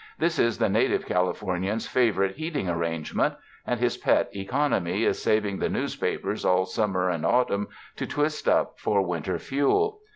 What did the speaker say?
This is the native Californian's favorite heating arrangement, and his pet economy is saving the newspapers all summer and autumn to twist up for winter fuel.